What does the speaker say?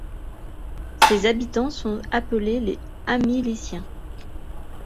Ses habitants sont appelés les Amillissiens.